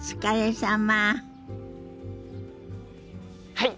はい！